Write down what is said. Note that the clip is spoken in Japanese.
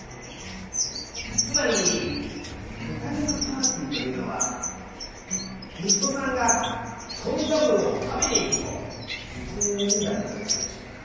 つまり「豚肉パーティー」というのは息子さんが「トン三郎を食べに行くぞ」という意味だったんじゃないでしょうか。